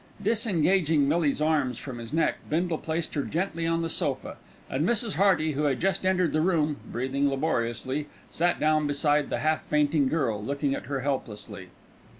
Disengaging Millie's arms from his neck, Bindle placed her gently on the sofa, and Mrs. Hearty, who had just entered the room breathing laboriously, sat down beside the half fainting girl, looking at her helplessly.